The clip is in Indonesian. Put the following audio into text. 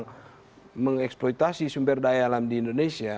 untuk mengeksploitasi sumber daya alam di indonesia